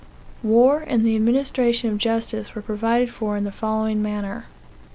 War and the administration of justice were provided for in the following manner.